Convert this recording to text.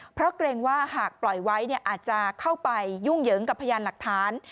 เพราะเกรงว่าหากปล่อยไว้อาจจะเข้าไปยุ่งเหยิงกับพยานหลักฐาน